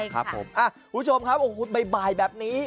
คุณผู้ชมครับบ๊ายบายแบบนี้